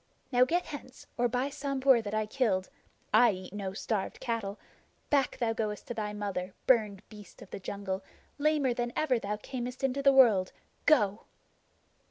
Now get hence, or by the Sambhur that I killed (I eat no starved cattle), back thou goest to thy mother, burned beast of the jungle, lamer than ever thou camest into the world! Go!"